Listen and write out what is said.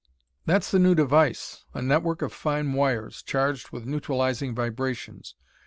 "That's the new device, a network of fine wires, charged with neutralising vibrations.